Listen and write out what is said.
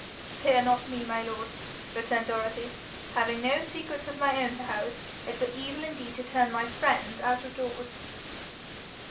'Fear not me, my lord,' returned Dorothy. 'Having no secrets of my own to house, it were evil indeed to turn my friends' out of doors.'